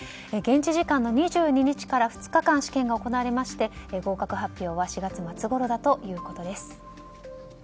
現地時間の２２日から２日間試験が行われまして合格発表は４月末ごろだということです。